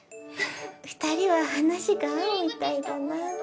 二人は話が合うみたいだな。